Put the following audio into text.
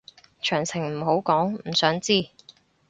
詳情唔好講，唔想知